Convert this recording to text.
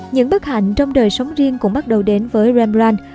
những bất hạnh trong đời sống riêng cũng bắt đầu đến với rembran